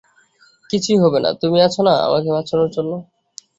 কিছুই হবে না, তুমি আছো না, আমাকে বাঁচানোর জন্য।